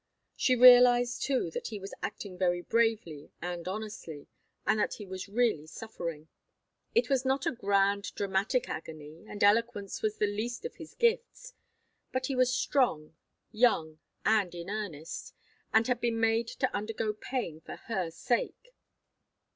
She realized, too, that he was acting very bravely and honestly, and that he was really suffering. It was not a grand, dramatic agony, and eloquence was the least of his gifts, but he was strong, young, and in earnest, and had been made to undergo pain for her sake.